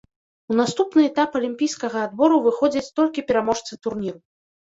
У наступны этап алімпійскага адбору выходзяць толькі пераможцы турніру.